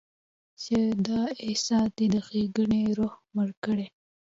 چې دا احساس دې د ښېګڼې روح مړ کړي.